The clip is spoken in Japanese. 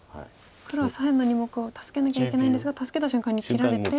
黒は左辺の２目を助けなきゃいけないんですが助けた瞬間に切られて。